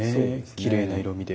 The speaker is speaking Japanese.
きれいな色みで。